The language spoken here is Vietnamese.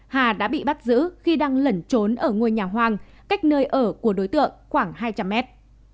hà đã bị bắt giữ khi đang lẩn trốn ở ngôi nhà hoàng cách nơi ở của đối tượng khoảng hai trăm linh mét